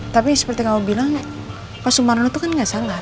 tapi seperti kamu bilang pak sumarno itu kan nggak salah